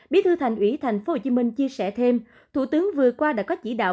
bí thư thành ủy tp hcm chia sẻ thêm thủ tướng vừa qua đã có chỉ đạo